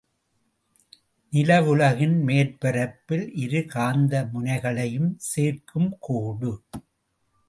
நிலவுலகின் மேற்பரப்பில் இரு காந்த முனைகளையும் சேர்க்கும் கோடு.